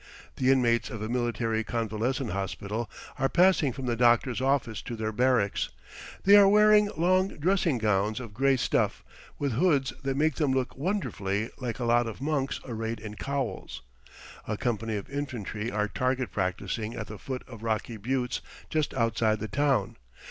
The inmates of a military convalescent hospital are passing from the doctor's office to their barracks. They are wearing long dressing gowns of gray stuff, with hoods that make them look wonderfully like a lot of monks arrayed in cowls. A company of infantry are target practising at the foot of rocky buttes just outside the town.